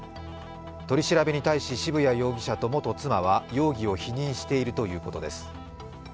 取り調べに対し渋谷容疑者と元妻は容疑を否認しているということです。